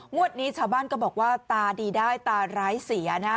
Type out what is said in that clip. งวดนี้ชาวบ้านก็บอกว่าตาดีได้ตาร้ายเสียนะ